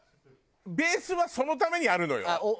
ベースはそのためにあるのよ。